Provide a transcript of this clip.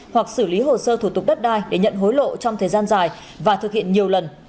hoặc xử lý hồ sơ thủ tục đất đai để nhận hối lộ trong thời gian dài và thực hiện nhiều lần